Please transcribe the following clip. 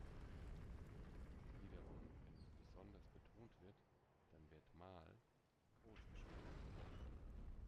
Wiederum wenn es besonders betont wird, dann wird Mal groß geschrieben.